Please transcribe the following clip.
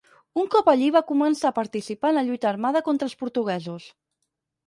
Un cop allí va començar a participar en la lluita armada contra els portuguesos.